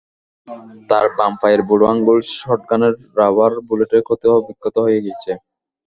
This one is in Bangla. তাঁর বাম পায়ের বুড়ো আঙুল শটগানের রাবার বুলেটে ক্ষতবিক্ষত হয়ে গেছে।